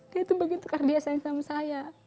dia tuh begitu karena dia sayang sama saya